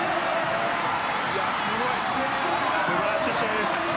素晴らしい試合です。